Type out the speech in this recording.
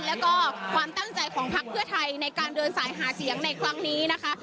แล้วก็ความตั้งใจของพักเพื่อไทยในการเดินสายหาเสียงในครั้งนี้นะคะ